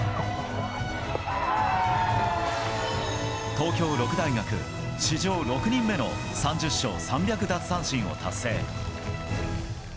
東京六大学、史上６人目の３０勝３００奪三振を達成。